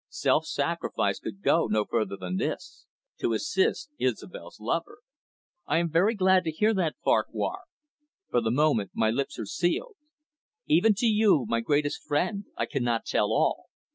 Self sacrifice could go no further than this to assist Isobel's lover. "I am very glad to hear that, Farquhar. For the moment, my lips are sealed. Even to you, my greatest friend, I cannot tell all.